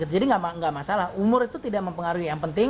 jadi gak masalah umur itu tidak mempengaruhi yang penting